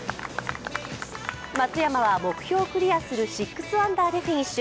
松山は目標をクリアする６アンダーでフィニッシュ。